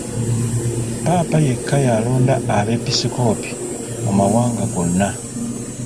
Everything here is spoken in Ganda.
Ppaapa yekka y'alonda abeepiskoopi mu mawanga gonna.